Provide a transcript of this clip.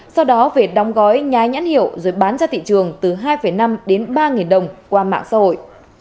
sau đó về đóng gói nhái nhãn hiệu rồi bán ra thị trường từ hai năm đến ba đồng qua mạng xã hội